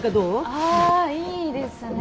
あいいですね。